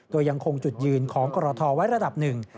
โดยยังคงจุดยืนของกรทไว้ระดับหนึ่ง